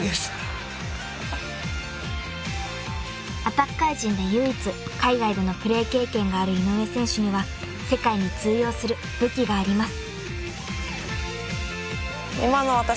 ［アタッカー陣で唯一海外でのプレー経験がある井上選手には世界に通用する武器があります］